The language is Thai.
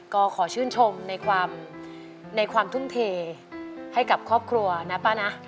ก็ขอชื่นชมในความทุ่มเทให้กับครอบครัวนะป้านะ